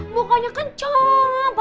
mukanya kan campur